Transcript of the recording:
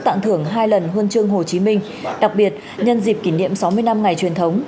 tặng thưởng hai lần huân chương hồ chí minh đặc biệt nhân dịp kỷ niệm sáu mươi năm ngày truyền thống